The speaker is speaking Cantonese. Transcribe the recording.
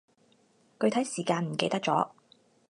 具體時間唔記得咗